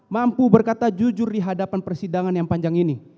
mampu berkata jujur di hadapan persidangan yang panjang ini